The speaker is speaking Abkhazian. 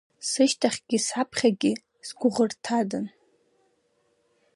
Сышьҭахьгьы саԥхьагьы сгәыӷырҭадан.